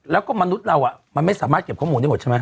แล้วแมนมือเราอะมันไม่สามารถเก็บข้อมูลอย่างไรใช่มั้ย